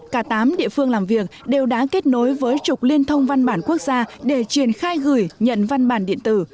cả tám địa phương làm việc đều đã kết nối với trục liên thông văn bản quốc gia để triển khai gửi nhận văn bản điện tử